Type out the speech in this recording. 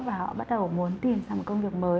và họ bắt đầu muốn tìm ra một công việc mới